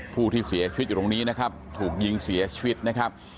ผู้ที่เสียชีวิตอยู่ตรงนี้นะครับถูกยิงเสียชีวิตนะครับ